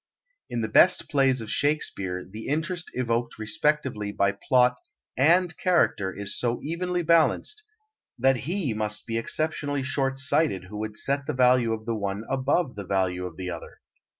In the best plays of Shakespeare the interest evoked respectively by plot and character is so evenly balanced that he must be exceptionally short sighted who would set the value of the one above the value of the other.